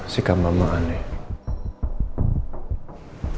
sikap mama aneh